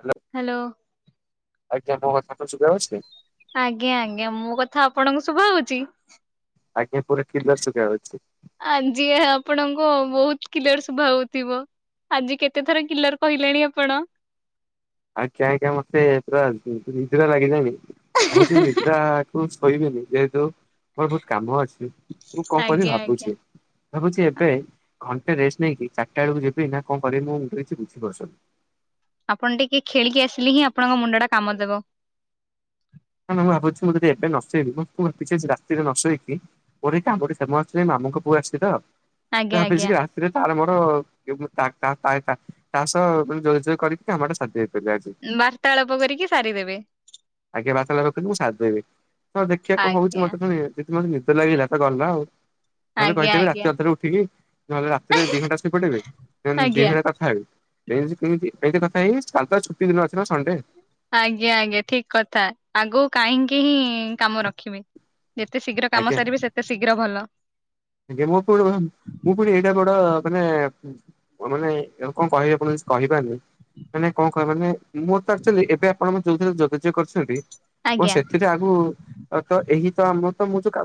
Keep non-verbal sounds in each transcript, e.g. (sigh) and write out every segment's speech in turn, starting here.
Hello hello. ଆଜ୍ଞା। ମୋ କଥା ତ ଶୁଭା ଯାଉଛି ଆଜ୍ଞା ଆଜ୍ଞା। ମୋ କଥା ଆପଣଙ୍କୁ ଶୁଭା ହଉଚି? ଆଜ୍ଞା ପୁରା କ୍ଳିଅର ଶୁଭା ହଉଚି। ଆଜି ଆପଣଙ୍କ, ବହୁତ କିଲ୍ଲର ଶୁଭା ହଉଥିବ? ଆଜି କେତେ ଥର, କିଲର କହିଲେଣି ଆପଣ? ଆଜ୍ଞା, ଆଜ୍ଞା। ମତେ ପୁରା ନିଦ୍ରା ଲାଗିଲାଣି ।ଭାବୁଚି ନିଦ୍ରା କୁ କହିବିନି ।ଯେହେତୁ ମୋର ବହୁତ, କାମ ଅଛି ।ମୁଁ କଣ କରିବି ଆଜ୍ଞା ଆଜ୍ଞା। ଭାବୁଛି? ଭାବୁଛି ଏବେ ଘଣ୍ଟେ ରେଷ୍ଟ ନେଇକି, ଚାରିଟା ବେଳକୁ ଯିବି। ନା କଣ କିରିବି? ମୋ ମୁଣ୍ଡ ରେ କିଛି ବୁଦ୍ଧି ପସୁନି। ଆପଣ ଟିକେ ଖେଳିକି ଆସିଲେ, ହିଁ ଆପଣଙ୍କ ମୁଣ୍ଡ ଟା, କାମ ଦବ। ନା, ନା ମୁଁ ଭାବୁଛି ମୁଁ ଯଦି ଏବେ ନସେଇବି, ମୁଁ ତ-ପ ରାତିରେ ନସୋଇକି ମୋର କାମ ମାମୁଁଙ୍କ ପୁଅ ଆସିଛି ତ, ଆଜ୍ଞା ଆଜ୍ଞା ଭାବିଚି ରାତିରେ ତାର ମ ଏ ତ, ମୁଁ ତା, ତା, ତା ସହ ଯୋଗାଯୋଗ କରିକି କାମ ଟା ସାରି ଦିଏ। ବାର୍ତ୍ତାଳାପ, କରିକି ସାରିଦେବେ । ଆଜ୍ଞା। ବାର୍ତ୍ତାଳାପ କରିକି ମୁଁ, ସାରିଦେବି ।ତ ଦେଖିଆ କଣ ହଉଚି। ଆଜ୍ଞା ମତେ ଯଦି ମତେ, ନିଦ ଲାଗିଲା ତ ଗଲା ଆଉ' । ନହେଲେ ଆଜ୍ଞା କହିଥିବି, ଆଜ୍ଞା ରାତି ଅଧାରୁ ଉଠିକି, ନହେଲେ ରାତିରେ ଦି ଘଣ୍ଟା ଶୋଇ ପଡିବେ, ଦି ଆଜ୍ଞା। ଘଣ୍ଟା କଥା ହେବେ। ଏ ଯେ କେମିତି ଏଇଠି କଥା ହେଇ, ହେଇ। କାଲି ତ ଛୁଟି ଦିନ ଅଛି ନା ସଣ୍ଡେ? ଆଜ୍ଞା, ଆଜ୍ଞା ।ଠିକ୍ କଥା, ଆଗକୁ କାହିଁକି ହିଁ, କାମ ରଖିବେ। ଯେତେ ଶୀଘ୍ର କାମ ଆଜ୍ଞା ସାରିବେ, ସେତେ ଶୀଘ୍ର ଭଲ । ଆଜ୍ଞା, ମୁଁ ପ ମୁଁ ପୁଣି ଏଇଟା ବଡ ମାନେ ମୁଁ ମାନେ ଏ କଣ, କହିବେ ଆପଣ ଙ୍କୁ କହି ପାରୁନି? ମାନେ କଣ କହ ମାନେ ମୁଁ ତ ଆକଚୁଆଲି, ଏବେ ଆପଣ ମତେ ଯୋଉଁଥିରେ ଯୋଗା ଯୋଗ କରିଛନ୍ତି । ଓ ଆଜ୍ଞା ସେଥିରେ, ଆଗୁ ତ ଏହି ତ ଆମ ତ ମୁଁ ଯଉ କ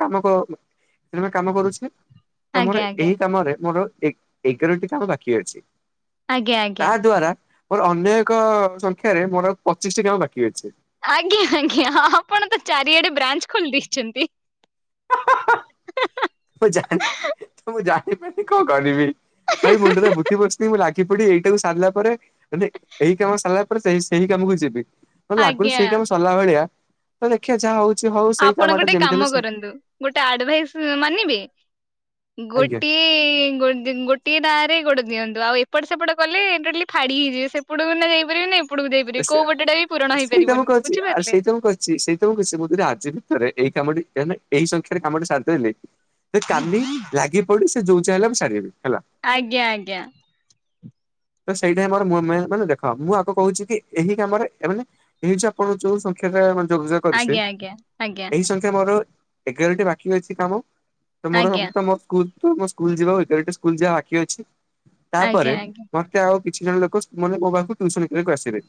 କାମ କାମ କରୁଛି (unintelligible) ତ ମୋର ଆଜ୍ଞା ଆଜ୍ଞା। ଏହି କାମରେ, ମୋର ଏ, ଏଗାରଟି କାମ ବାକି ଅଛି। ଆଜ୍ଞା, ତା ଆଜ୍ଞା । ଦ୍ଵାରା ମୋର ଅନ୍ୟ ଏକ ସଂଖ୍ୟାରେ, ମୋର ପଚିଶିଟି କାମ ବାକି ଅଛି। ଆଜ୍ଞା, ଆଜ୍ଞା ।ଆପଣ ତ ଚାରିଆଡେ, ବ୍ରାଞ୍ଚ ଖୋଲି ଦେଇେଇଛନ୍ତି। କେମିତି କଣ, କରିବି? ଭାଇ ମୁଣ୍ଡରେ ବୁଦ୍ଧି ପଶୁନି, ମୁଁ ଲାଗି ପଡି ଏଇଟାକୁ ସାରିଲା ପରେ ବୋଧେ ଏଇ କାମ ସରିଲା ପରେ ସେ, ସେଇ କାମକୁ ଯିବି ।ମତେ ଲାଗୁନି, ଆଜ୍ଞା ସେଇ କାମ ସରିଲା ଭଳିଆ। ତ ଦେଖିବା ଯାହା ହଉ ସେଇ ଆପଣ କାମଟା ଗୋଟେ ଯେମିତି ହେଲେ କାମ କରନ୍ତୁ ।ଗୋଟେ ଆଡଭାଇସ୍ ମାନିବେ? ଆଜ୍ଞା। ଗୋଟିିଏ ଗୋଟେ ଦିନ, ଗୋଟିିଏ ନାରେ ଗୋ ଦିଅ ଦିଅନ୍ତୁ ଆଉ ଏପଟ, ସେପଟ କଲେ ଟୋଟାଲି ଫାଡ଼ି ହେଇଯିବେ। ସେପଟକୁ ନା ଯାଇପାରିବେ ନା ଏପଟକୁ ଯାଇପାରିବେ କୋଉ ପଟଟା ବି ପୂରଣ ଆ ସେଇଟା ମୁଁ ହେଇପାରିବନି କହୁଛି। ଆ ବୁଝିପାରିଲେ ସେଇଟା ମୁଁ କହୁଛି ।ସେଇତ ମୁଁ କହିଛି ମୁଁ ଆଜି ବି ଥରେ ଏଇ କାମ ଟି ହେନେ ।ଏଇ ସଂଖ୍ୟାରେ କାମଟି ସାରିଦେଲେ ।କାଲି ଲାଗି ପଡି ସେ ଯଉ ଚାହିଁଲେ, ମୁ ସାରିଦେବି। ହେଲା। ଆଜ୍ଞା, ଆଜ୍ଞା। ତ ସେଇଟା ଆମର ମୁଁହେ, ମୁଁହେ ମାନେ ଦେଖ, ମୁଁ ଆଗ କହୁଛି କି, ଏହି କାମରେ ମାନେ ଏଇ ଯଉ ଆପଣ ଯୋଉ ସ କେତେବେଳେ, ଯୋଗାଯୋଗ କରୁଛି। ଆଜ୍ଞା ଆଜ୍ଞା ଆଜ୍ଞା ଏହି ସଂଖ୍ୟା ମୋର ଏଗାରଟି ବାକି ଅଛି କାମ ।ତ ମୋର ଆଜ୍ଞା ମୋ ସ୍କୁଲ ତୁ ମୋ ସ୍କୁଲ ଯିବା ଭିତରେ, ଏଠି ସ୍କୁଲ ଯିବା ବାକି ଅଛି। ଆଜ୍ଞା, ଆଜ୍ଞା। ମୋତେ ଆଉ କିଛି ଜଣ ଲୋକ, ମାନେ ମୋ ପାଖକୁ ଟ୍ୟସନକୁ ଆସିବେ।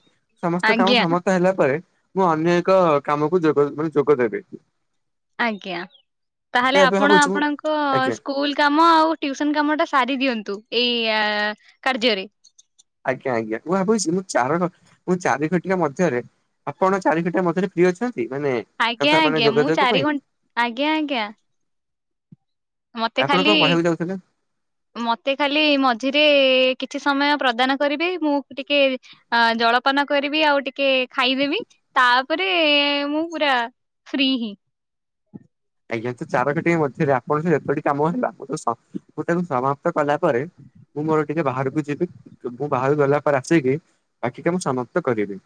ସମସ୍ତ କାମ ଆଜ୍ଞା ଆଜ୍ଞା ସମାପ୍ତ ହେଲା ପରେ ମୁଁ ଅନ୍ୟ ଏକ କାମକୁ, ଯୋଗ ଦେବାରେ, ଯୋଗ ଦେବେ ଆଜ୍ଞା। ତାହେଲେ ଏବେ ଆପଣ, ଭାବୁଛି ମୁଁ ଆପଣଙ୍କ ଆଜ୍ଞା ସ୍କୁଲ କାମ, ଆଉ ଟିଉସନ କାମ, ଟା ସାରି ଦିଅନ୍ତୁ । ଏୟା, କାର୍ଯ୍ୟରେ। ଆଜ୍ଞା, ଆଜ୍ଞା । ମୁଁ ଭାବୁଛି, ମୁଁ ଚାର, ମୁଁ ଚାରି ଘଟିକ ମଧ୍ୟରେ ଆପଣ ଚାରି କଟା, ମଧ୍ୟରେ ଫ୍ରି ଅଛନ୍ତି? ନ୍ତି, ମାନେ ଆଜ୍ଞା କଥା ମାନେ ଆଜ୍ଞା ମୁଁ ଯୋଗାଯୋଗ ଚାରି ପାଇଁ। ଘଣ୍ଟା ଆଜ୍ଞା ଆଜ୍ଞା ମତେ ଆପଣ କଣ ଖାଲି, କହିବାକୁ ଯାଉଥିଲେ? ମତେ ଖାଲି, ମଝିରେ କିଛି ସମୟ ପ୍ରଦାନ କରିଵେ ମୁଁ ଟିକେ ଅ ଜଳପାନ କରିବି ଆଉ ଟିକେ ଖାଇଦେବି, ତାପରେ ମୁଁ ପୁରା ଫ୍ରି ହିଁ ଆଜ୍ଞା, ତ ଚାର କଟି ମଧ୍ୟରେ ଆପଣ ଯେତୋଟି କାମ ଅଛି ତାକୁ ତ ସବୁତକ ସମାପ୍ତ କଲା ପରେ ମୁଁ ମୋର (unintelligible) ସମାପ୍ତ କରିବି।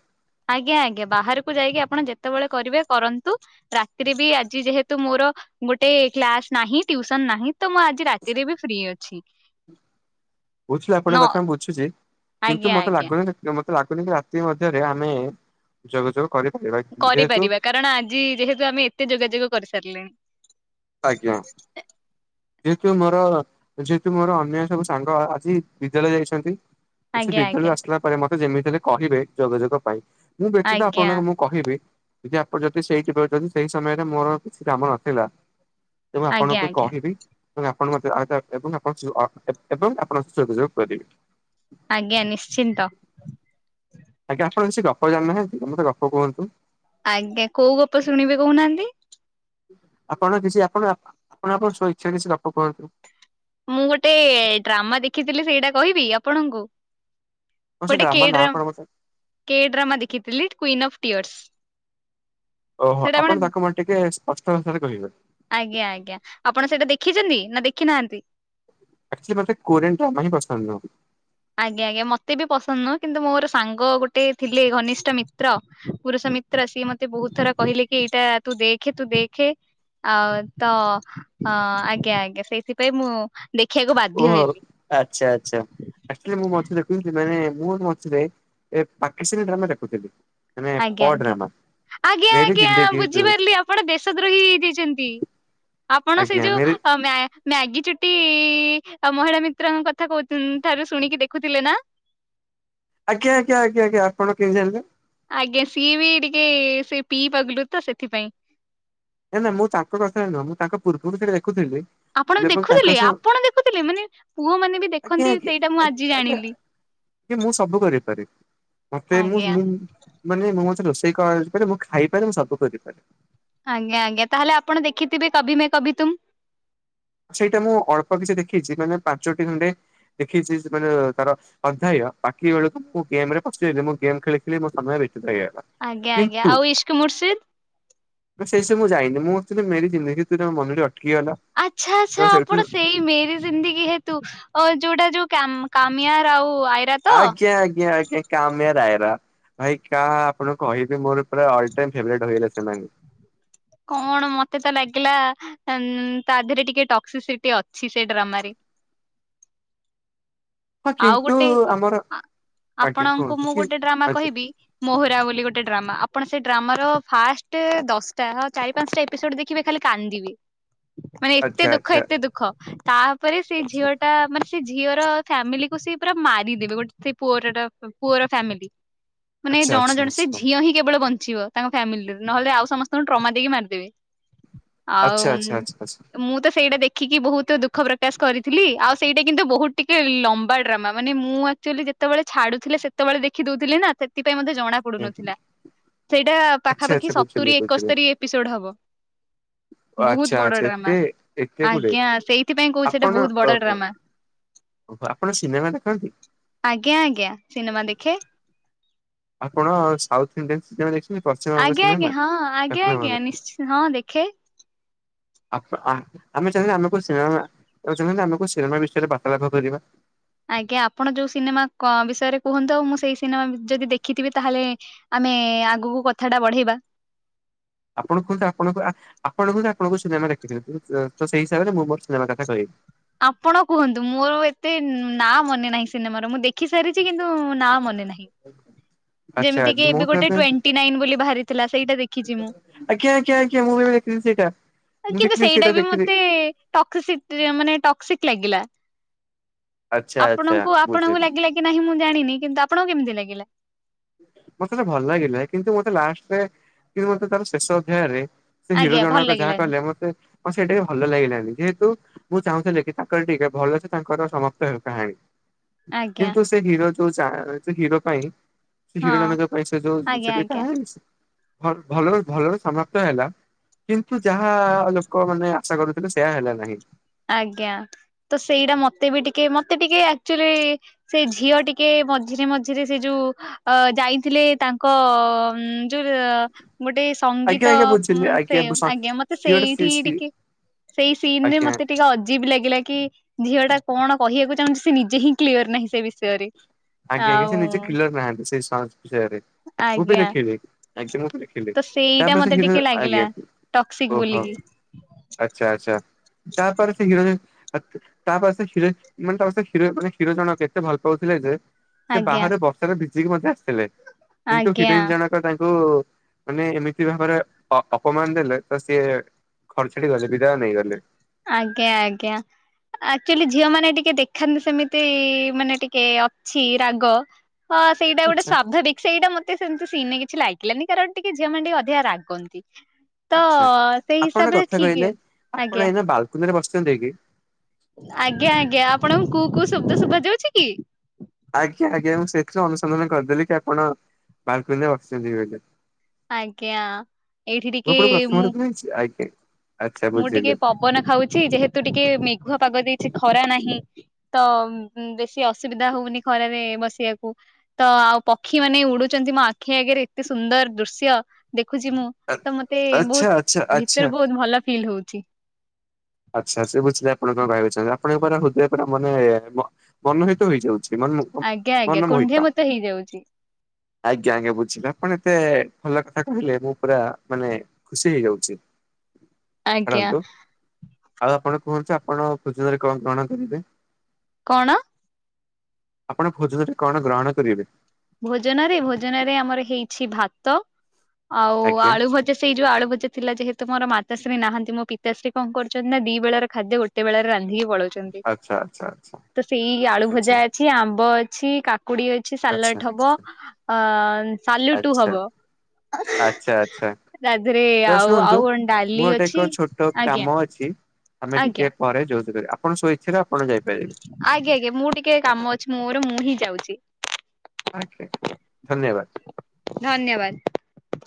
ଆଜ୍ଞା, ଆଜ୍ଞା, ବାହାରକୁ ଯାଇକି ଆପଣ ଯେତେବେଳେ କରିବେ କରନ୍ତୁ ରାତିିରେ ବି ଆଜି ଯେହେତୁ ମୋର ଗୋଟେ କ୍ଲାସ ନାହିଁ, ଟ୍ୟୁସନ ନାହିଁ, ତ ମୁଁ ଆଜି ରାତିରେ ବି ଫ୍ରି ଅଛି। (inaudible) ବୁଝ ଆପଣଙ୍କ ନ କଥା ମୁଁ ବୁଝୁଛି, କିନ୍ତୁ ଆଜ୍ଞା ମତେ ଆଜ୍ଞା ଲାଗୁନ ମତେ ଲାଗୁନି କି ରାତି ମଧ୍ୟରେ ଆମେ ଯୋଗାଯୋଗ କରିପାରିବା ଯେହେତୁ କରିପାରିବା, କାରଣ ଆଜି ଯେହେତୁ ଆମେ ଏତେ ଯୋଗାଯୋଗ କରିସାରିଲେଣି । ଆଜ୍ଞା, ଯେହତୁ ମୋର ଯେହେତୁ ମୋର ଅନ୍ୟ ସବୁ ସାଙ୍ଗ ଆଜି ବିଦ୍ୟାଳୟ ଯାଇଛନ୍ତି, କି ସେ ଆଜ୍ଞା ବିଦ୍ୟାଳୟରୁ ଆଜ୍ଞା ଆସିଲା ପରେ ମତେ ଯେମିତିଲେ କହିବେ ଯୋଗାଯୋଗ ପାଇଁ, ମୁଁ ବ୍ୟତୀତ ଆଜ୍ଞା ଆପଣଙ୍କୁ ମୁଁ କହିବି ଯଦି ଆପଣ ଯଦି ସେଇଠି ଯଦି ସେଇ ସମୟରେ ମୋର କିଛି କାମ ନଥିଲା ତ ମୁଁ ଆଜ୍ଞା ଆପଣଙ୍କୁ ଆଜ୍ଞା କହିବି । ଏବଂ ଆପଣଙ୍କ ମ ଆପଣ ଏବଂ ଆପଣଙ୍କଯୋଗ କରିବେ । ଆଜ୍ଞା ନିଶ୍ଚିନ୍ତ । ଆଜ୍ଞା, ଆପଣ କିଛି ଗପ ଜାଣିନାହାନ୍ତି, ମୋତେ ଗପ କୁହନ୍ତୁ। ଆଜ୍ଞା କୋଉ ଗପ ଶୁଣିବେ କହୁନାହାନ୍ତି? ଆପଣ କିଛି ଆପଣ ଆପଣ ଆପଣ ସଇଚ୍ଛା ରେ କିଛି ଗପ କୁହନ୍ତୁ । ମୁଁ ଗୋଟେ ଡ୍ରାମା ଦେଖିଥିଲି ସେଇଟା କହିବି, ଆପଣଙ୍କୁ କଣ ସେ ଗୋଟେ ଡ୍ରାମା କେ ନାଁ କଣ ଡ୍ରାମ ମତେ କେଡ୍ରାମା ଦେଖିଥିଲି କୁଇନ୍ ଅଫ୍ ଟିଅର୍ସ ଓହୋ, ଆପଣ ତାକୁ ମତେ ଟିକେ ସ୍ପଷ୍ଟ ଭାଷାରେ କହିବେ । ଆଜ୍ଞା, ଆଜ୍ଞା, ଆପଣ ସେଇଟା ଦେଖିଛନ୍ତି ନା ଦେଖି ନାହାନ୍ତି । ଆକଚଲି ମତେ କୋରିୟନ ଡ୍ରାମା ହିଁ ପସନ୍ଦ ନୁହଁ ଆଜ୍ଞା, ଆଜ୍ଞା, ମତେ ବି ପସନ୍ଦ ନୁହଁ କିନ୍ତୁ ମୋର ସାଙ୍ଗ ଗୋଟେ ଥିଲେ ଘନିଷ୍ଠ ମିତ୍ର ପୁରୁଷ ମିତ୍ର ସିଏ ମତେ ବହୁତ ଥର କହିଲେ କି -ଏଇଟା ତୁ ଦେଖେ, ତୁ ଦେଖେ ଆଉ ତ ଆଜ୍ଞା ଆଜ୍ଞା ସେଇଥିପାଇଁ ମୁଁ ଦେଖିବାକୁ ବାଧ୍ୟ ଓହୋ ହେଲି ଆଚ୍ଛା ଆଚ୍ଛା ଆକଚଲି ମୁଁ ମ୍ ଥିଲ ମାନେ ମୁଁ ମଝିରେ ଏ ପାକିସ୍ନୀ ଡ୍ରାମା ଦେଖୁଥିଲି । ନା ଆଜ୍ଞା ପଡ ଆଜ୍ଞା ଡ୍ରାମା ଆଜ୍ଞା, ଆଜ୍ଞା, ଜିନ୍ଦଗି ତୁ ବୁଝିପାରିଲି ଆପଣ ଦେଶ ଦ୍ରୋହୀ ହେଇଯାଇଛନ୍ତି । ଆପଣ ସେ ଆଜ୍ଞା ମେରି ଯୋଉ ମେ ମ୍ୟାଗି ଚୁଟି ଆଉ ମହିଳା ମିତ୍ରଙ୍କ କଥା କହୁ ଠାରୁ ଶୁଣିକି ଦେଖୁଥିଲେ ନା ଆଜ୍ଞା ଆଜ୍ଞା ଆଜ୍ଞା ଆଜ୍ଞା ଆପଣ କେମିତି ଜାଣିଲେ? ଆଜ୍ଞା, ସିଏ ବି ଟିକେ ସେ ପିଇ ପାଗଲୁ ତ ସେଥିପାଇଁ ନାଇଁ ନା ମୁଁ ତାଙ୍କ କଥା ନ ନୁହଁ, ମୁଁ ତାଙ୍କ ପୂର୍ବରୁ ସେଇଟା ଦେଖୁଥିଲି ଆପଣ ଏବଂ ତାଙ୍କ ଦେଖୁଥିଲେ, ସହ ଆପଣ ଦେଖୁଥିଲେ, ମାନେ ପୁଅ ମାନେ ବି ଦେଖନ୍ତି, ସେଇଟା ମୁଁ ଆଜି ଜାଣିଲି କି ମୁଁ ସବୁ କରିପାରିବି । ମତେ ମୁଁ ଆଜ୍ଞା ମୁଁ ମାନେ ମୁଁ ମତେ ରୋଷେଇ କରପାରେ ମୁଁ ଖାଇପାରେ ମୁଁ ସବୁ କରିପାରେ ଆଜ୍ଞା, ଆଜ୍ଞା, ତାହେଲେ ଆପଣ ଦେଖିଥିବେ କବି ମେ କବି ତୁମ । ସେଇଟା ମୁଁ ଅଳ୍ପ କିଛି ଦେଖିଛି, ମାନେ ପାଞ୍ଚଟି ଖଣ୍ଡେ ଦେଖିଛି ମାନେ ତାର ଅଧ୍ୟାୟ ବାକି ବେଳକୁ ମୁଁ ଗେମ ରେ ପି ମୁଁ ଗେମ୍ ଖେଳିି ମୋ ସମୟ ହେଇଗଲା, ଆଜ୍ଞା ଆଜ୍ଞା କିନ୍ତୁ ଆଉ ଇସ୍କ ମୁର୍ସିଦ ସେଇ ସେ ମୁଁ ଯାଇନି ମୁଁ ମେ ଜିନ୍ଦି ତୁରା ମନରେ ଆଛା ଆଚ୍ଛା ଆପଣ ସେଇ ମେରି ଜିନ୍ଦିଗ ହେତୁ ଯୋଉଟା ଯୋଉ କାମିଆର ଆଉ ଆଇରା ତ? ଆଜ୍ଞା ଆଜ୍ଞା ଆଜ୍ଞା କାମୟ ରୟରା ଭାଇ କା ଆପଣଙ୍କୁ କହିବି ମୋର ପୁରା ଅଲ ଟାଇମ୍ ଫେଭରିଟ ହୋଇଗଲେ ସେମାନେ କଣ ମତେ ତ ଲାଗିଲା ତା ଦେହରେ ଟିକେ ଟକ୍ସିସିଟି ଅଛି, ସେ ଡ୍ରାମାରେ ହଁ ଆଉ କିନ୍ତୁ ଗୋଟେ ଆମର ଆଜ୍ଞା ଆପଣଙ୍କୁ କୁହନ୍ତୁ ମୁଁ କି ଗୋଟେ ଡ୍ରାମା ଆଚ୍ଛା କହିବି, ମୋହୁରା ବୋଲି ଗୋଟେ ଡ୍ରାମା। ଅପ ଆପଣ ସେ ଡ୍ରାମାର ଫାଷ୍ଟ ଦଶଟା ଚାରି ପାଞ୍ଚଟା ଏପିସୋଡ ଦେଖିବେ ଖାଲି କାନ୍ଦିବେ ମାନେ ଆଚ୍ଛା ଏତେ ଦୁଃଖ ଆଚ୍ଛା। ଏତେ ଦୁଃଖ ତାପରେ ସେଇ ଆଚ୍ଛା ଝିଅ ଟା ମାନେ ସେ ଝିଅର ଫାମିଲିକୁ ସେ ପୁରା ମାରିଦେବେ, ଗୋଟେ ସେ ପୁଅର ପୁଅର ଫାମିଲି ମାନେ ଆଚ୍ଛା ଆଚ୍ଛା ଜଣେ ଆଚ୍ଛା ଜଣେ ସେ ଝିଅ ହିଁ କେବଳ ବଞ୍ଚିବ ତାଙ୍କ ଫ୍ୟାମିଲିରେ ନହେଲେ ଆଉ ସମସ୍ତେ ଟ୍ରାମା ଦେଇକି ମାରିଦେବେ। ଆଉ ଆଚ୍ଛା ଆଚ୍ଛା ମୁଁ ତ ସେଇଟା ଦେଖିକି ବହୁତ ଦୁଃଖ ପ୍ରକାଶ କରିଥିଲି, ଆଉ ସେଇଟା କିନ୍ତୁ ବହୁତ ଟ ଲମ୍ବା ଡ୍ରାମା ମାନେ ମୁଁ ଆକ୍ଚୁଆଲି ଯେତେବେଳେ ଛାଡୁଥିଲେ, ସେତେବେଳେ ଦେଖିଦଉି ନା ସେ ଥିପାଇଁ, ମତେ ଜଣା ପଡୁନଥିଲା। ସେଇଟା ଆଚ୍ଛା ପାଖାପାଖି ଆଚ୍ଛା ବୁଝିଲି ସତୁରି ବୁଝିଲି। ଏକସ୍ତରୀ ଏପିସୋଡ ହବ। (unintelligible) ବହୁତ ଆଚ୍ଛା ବଡ ଆଚ୍ଛା ଡ୍ରାମା ଏତେ ଏତେ ଗୁଡେ ଆଜ୍ଞା ସେଇଥିପାଇଁ କହୁଛି, ଏଟା ଆପଣ ବହୁତ ବଡ ଓହୋ। ଡ୍ରାମା। ଓହୋ ଆପଣ ସିନେମା ଦେଖନ୍ତି ଆଜ୍ଞା ଆଜ୍ଞା ସିନେମା ଦେଖେ ଆପଣ ସାଉଥଇଣ୍ଡି ପଶ୍ଚିମବଙ୍ଗ ଆଜ୍ଞା ଆଜ୍ଞା ସିନେମା ହଁ ଆଜ୍ଞା ଆଜ୍ଞା ଦକ୍ଷିଣବଙ୍ଗ ନିଶ୍ଚ ହଁ ଦେଖେ ଆ ଆମେ ଚାହିଁଲେ ଆମେ କୋଉ ସିନେମା ଆ ଚାହିଁଲେ ଆମେ କୋ ସିନେମା ବିଷୟରେ ବାର୍ତ୍ତାଳପ କରିବା। ଆଜ୍ଞା ଆପଣ ଯୋଉ ସିନେମା ବିଷୟରେ କୁହନ୍ତୁ, ଆଉ ମୁଁ ସେଇ ସିନେମା ଯଦି ଦେଖିଥିବି ତାହେଲେ ଆମେ ଆଗକୁ କଥା ଟା ବଢେଇବା ଆପଣ କୁହନ୍ତୁ, ଆପଣ ଆପଣ କୁହନ୍ତୁ, ଆପଣଙ୍କୁ ସିନେମା ଦେଖି ତ ସେଇ ହିସାବରେ ମୁଁ ମୋର ସିନେମା କଥା କହିବି। ଆପଣ କୁହନ୍ତୁ, ମୋର ଏତେ ନା ମନେ ନାହିଁ ସିନେମାର ମୁଁ ଦେଖି ସାରିଛି କିନ୍ତୁ ନା ମନେ ନାହିଁ। (unintelligible) ଆଚ୍ଛା ଯେମିତିକ ମୁଁ ଏବେ ତ ଗୋଟେ ଟ୍ୱଣ୍ଟି ନାଇନ ବୋଲି ବାହାରିଥିଲା ସେଇଟା ଦେଖିଛି ମୁଁ। ଆଜ୍ଞା ଆଜ୍ଞା ଆଜ୍ଞା ମୁଁ ବି ଦେଖି ଥିଲି ସେଟା। କିନ୍ତୁ ସେଇଟା ବି ମତେ ମାନେ ଟକ୍ସି ଟକ୍ସିକ ଲାଗିଲା ଆଚ୍ଛା ଆଚ୍ଛା ଆପଣଙ୍କୁ ବୁଝିଲି। ଆପଣଙ୍କୁ ଲାଗିଲା କି ନାହିଁ, ମୁଁ ଜାଣିନି କିନ୍ତୁ ଆପଣଙ୍କୁ କେମିତି ଲାଗିଲା? ମତେଟା ଭଲ ଲାଗିଲା। କିନ୍ତୁ ମତେ ଲାଷ୍ଟରେ କି ମତେ ତାର ଶେଷ ଅଧ୍ୟାୟରେ ସେ ହିରୋ ଆଜ୍ଞା ଭଲ ଜଣକ ଯାହା ଲାଗିଲାନି କହିଲେ ମତେ ମତେ ସେଇଟା ଭଲ ଲାଗିଲାନି, ଯେହେତୁ ମୁଁ ଚାହୁଁଥିଲି କି ତାଙ୍କର ଟିକେ ଭଲସେ ତାଙ୍କର ସମାପ୍ତ ହେଉ କାହାଣୀ, ଆଜ୍ଞା କିନ୍ତୁ ସେ ହିରୋ ଯୋଉ ହିରୋ ପାଇଁ ସେ ହଁ ହିରୋଟାନଙ୍କ ପାଇଁ ସେ ଆଜ୍ଞା ଯୋଉ କା ଆଜ୍ଞା। ସେ ଭଲରେ ଭଲରେ ସମାପ୍ତ ହେଲା। କିନ୍ତୁ ଯାହା ଲୋକ ମାନେ ଆଶା କରୁଥିଲେ, ସେୟା ହେଲା ନାହିଁ। ଆଜ୍ଞା ତ ସେଇଟା ମତେ ବି ଟିକେ ମତେ ଟିକେ ଆକ୍ଚୁଆଲି ସେଇ ଝିଅ ଟିକେ ମଝିରେ ମଝିରେ ସେ ଯୋଉ ଅ ଯାଇଥିଲେ ତାଙ୍କ ଅ ଯୋଉ ର ଗୋଟେ ଆଜ୍ଞା ସଙ୍ଗୀତ ଆଜ୍ଞା ବୁଝିଲି ଅ ସେ ଆଜ୍ଞା ସ ଆଜ୍ଞା ମତେ ସିଏ ଗୋଟେ ସି ସେଇଠି ହିଁ ସି ଟିକେ ସେଇ ସିିନରେ ଆଜ୍ଞା ମତେ ଟିକେ ଅଜୀବ ଲାଗିଲା କି! ଝିଅ ଟା କଣ କହିବାକୁ ଚାହୁଁଛି, ସେ ନିଜେ ହିଁ କ୍ଳିଅର ନହିଁ ସେ ବିଷୟରେ। ଆଜ୍ଞା। ଆଜ୍ଞା ସେ ଆଉ ନିଜେ କ୍ଳିଅର ନାହାନ୍ତି। ସେ (unintelligible) ମୁଁ ବି ଆଜ୍ଞା ଦେଖିଲି, ଆଜ୍ଞା ମୁଁ ବି ଦେଖିଲି ତ ତା ସେଇଟା ପରେ ସେ ମତେ ହେରୋ, ଟିକେ ଲାଗିଲା ଆଜ୍ଞା। ଟକ୍ସିକ ଓହୋ ବୋଲିକି। ଆଚ୍ଛା ଆଚ୍ଛା। ତାପରେ ସେ ହେରୋଇନ, ତା ପରେ ହେରୋଇନ ମାନେ ହେରୋ, ହେରୋ ଜଣକ ଭଲ ପାଉଥି ଲେ ଯେ, ସେ ଆଜ୍ଞା ବାହାରେ ବର୍ଷାରେ ଭିଜିକି ମଧ୍ୟ ଆସିଥିଲେ, କିନ୍ତୁ ଆଜ୍ଞା ହେରୋଇନ ଜଣକ ତା ଙ୍କୁ ମାନେ ଏମିତି ଭାବରେ ଅ-ଅପମାନ ଦେଲେ ତ ସିଏ ଖର୍ଚ୍ଚଟି ଗଲେ ବିଦାୟ ନେଇ ଗଲେ। ଆଜ୍ଞା ଆଜ୍ଞା। ଆକ୍ଚୁଆଲି ଝିଅ ମାନେ ଟିକେ ଦେଖାନ୍ତି ସେମିତି ମାନେ ଟିକେ ଅଛି, ରାଗ ହଁ ସେଇଟା ଗୋଟେ ଆଚ୍ଛା ସ୍ୱାଭାବିକ ସେଇଟା ମତେ ତ ସେଇନାଗି କିଛି ଲାଗିଲାନି କାରଣ ଟିକେ ଝିଅମାନେ ଟିକେ ଅଧିକା ରାଗନ୍ତି। ତ ଆଚ୍ଛା ସେଇ ହିସାବ ରେ ଠିକ୍ ହେଉଛି । କୁନିରେ ବସିଚନ୍ତି କି? ଆଜ୍ଞା ଆଜ୍ଞା ଆପଣଙ୍କୁ କୋଉ କୋଉ ଶବ୍ଦ ଶୁଭା ଯାଉଛି କି? ଆଜ୍ଞା ଆଜ୍ଞା ମୁଁ ସେଥିରୁ ଅନୁସନ୍ଧାନ କରିଦେଲି କି ଆପଣ ବାଲ୍କୁନିରେ ବସିଛନ୍ତି ବେଲି। ଆଜ୍ଞା। ଏଇଠି ଟିକେ ମୁଁ ପୁଣୀ ପ୍ରଥମ ରୁ କହିଛି ଆଜ୍ଞା । ମୁଁ ଟିକେ ପବନ ଖାଉଛି ଯେହେତୁ ଟିକେ ମେଘୁଆ ପାଗ ଦେଇଛି ଖରା ନାହିଁ । ତ ବେଶୀ ଅସୁବିଧା ହଉନି ଖରାରେ ବସିଆକୁ ତ ଆଉ ପକ୍ଷୀ ମାନେ ଉଡୁଛନ ନ୍ତି ମୋ ଆଖି ଆଗରେ ଏତେ ସୁନ୍ଦର ଦୃଶ୍ୟ । ଦେଖୁଛି ମୁଁ ଆ ତ ମତେ ଆଚ୍ଛା ଆଚ୍ଛା ବହୁତ ଆଚ୍ଛା। ଭିତରେ ବହୁତ ଭଲ ଫିଲ୍ ହଉଛି। ଆଚ୍ଛା ସେ ବୁଝିଲେ ଆପଣ କଣ ଭାବି ଛନ୍ତି ଆପଣଙ୍କ ର ହୃଦୟ ପୁରା ମାନେ ମନୋହିତ ହେଇଯାଉଛି । ଛି-ମନ ମୁ-କୁ-ମ୍ ଆଜ୍ଞା ଆଜ୍ଞା କୁଣ୍ଢେ ମନମୋହିତ ମତ ହେଇଯାଉଛି ଆଜ୍ଞା ଆଜ୍ଞା ବୁଝିଲି ଆପଣ ଏତେ ଭଲ କଥା କହିଲେ ମୁଁ ପୁରା ମାନେ ଖୁସି ହେଇଯାଉଛି। ଆଜ୍ଞା ଛାଡ଼ନ୍ତୁ । ଆଉ ଆପଣ କୁହନ୍ତୁ ଆପଣ ଭୋଜନରେ କଣ ଗ୍ରହଣ କରିବେ? କଣ? ଆପଣ ଭୋଜନରେ କଣ ଗ୍ରହଣ କରିବେ? ଭୋଜନରେ ଭୋଜନରେ ଆମର ହେଇଛି ଭାତ । ଆଉ ଆଜ୍ଞା ଆଳୁ ଭଜା ସେଇ ଯୋଉ ଆଳୁ ଭଜା ଥିଲା ଯେହେତୁ ମୋର ମା ତାଶ୍ରୀ ନାହାନ୍ତି ମୋର ପିତାଶ୍ରୀ କଣ କରୁଛନ୍ତି ନା ଦି ବେଳା ର ଖାଦ୍ୟ ଗୋଟେ ବେଳା ରେ ରନ୍ଧିକି ପ ପଳଉଛନ୍ତି ଆଚ୍ଛା ଆଚ୍ଛା ଆଚ୍ଛା ତ ସେଇ ଆଳୁ ଆଚ୍ଛା ଭଜା ଅଛି ଆମ୍ବ ଅଛି କା କୁଡି ଅଛି ଆଚ୍ଛା। ଆଚ୍ଛା ସାଲାଟ ହବ ଆ ସଲୁଟ ଆଚ୍ଛା ହବ । ଆଚ୍ଛା ଆଚ୍ଛା। ତ ଆଉ ଶୁଣନ୍ତୁ ଆଉ କଣ ଡାଲି ମୋର ଗୋଟେ ଅଛି ଏକ ଛୋଟ ଆଜ୍ଞା କାମ ଅଛି । ଆମେ ଟିକେ ଆଜ୍ଞା ପରେ ଯୋଉ କରିବା। ଆପଣ ସ୍ୱଇଚ୍ଛାରେ ଆପଣ ଯାଇପାରିବେ ଆଜ୍ଞା ଆଜ୍ଞା ମୁଁ ଟିକେ କାମ ଅଛି ମୋର ମୁଁ ହିଁ ଯାଉଛି। ଆଜ୍ଞା । ଧନ୍ୟବାଦ।